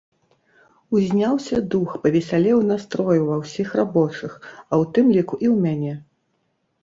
Узняўся дух, павесялеў настрой ува ўсіх рабочых, а ў тым ліку і ў мяне.